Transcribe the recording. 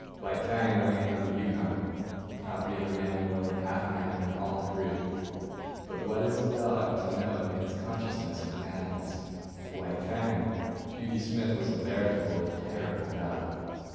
White Fang remained on the Yukon, the property of a man more than half mad and all brute. But what is a dog to know in its consciousness of madness? To White Fang, Beauty Smith was a veritable, if terrible, god.